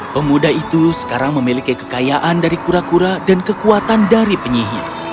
pemuda itu sekarang memiliki kekayaan dari kura kura dan kekuatan dari penyihir